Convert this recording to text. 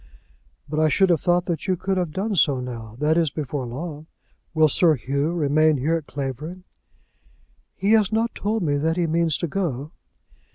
"But I should have thought that you could have done so now; that is, before long. Will Sir Hugh remain here at Clavering?" "He has not told me that he means to go."